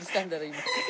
今。